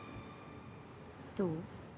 どう？